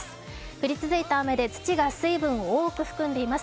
降り続いた雨で土が水分を多く含んでいます。